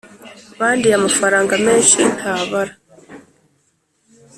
Bandiye amafaranga menshi ntabara